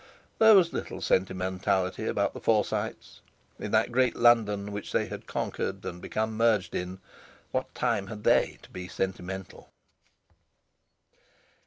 There was little sentimentality about the Forsytes. In that great London, which they had conquered and become merged in, what time had they to be sentimental?